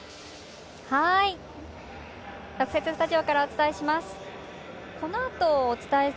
特設スタジオからお伝えします。